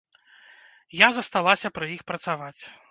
Я засталася пры іх працаваць.